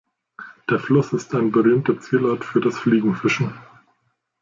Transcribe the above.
Der Fluss ist ein berühmter Zielort für das Fliegenfischen.